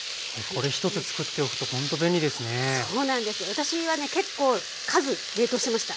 私はね結構数冷凍しました。